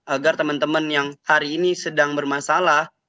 agar teman teman yang hari ini sedang bermasalah